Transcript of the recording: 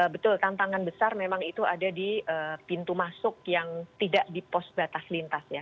betul tantangan besar memang itu ada di pintu masuk yang tidak di pos batas lintas ya